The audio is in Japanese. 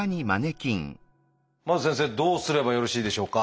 まず先生どうすればよろしいでしょうか？